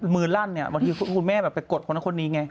ลั่นเนี่ยบางทีคุณแม่แบบไปกดคนนั้นคนนี้ไง